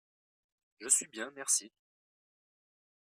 Je suis bien, merci !